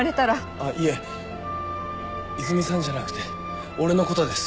あっいえイズミさんじゃなくて俺のことです。